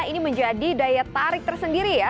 ini menjadi daya tarik tersendiri ya